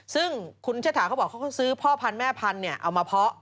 ซึ่งคุณเชษฐาเขาบอกเขาก็ซื้อพ่อพันธุ์แม่พันธุ์เอามาเพาะ